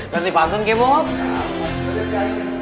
nanti pantun kemok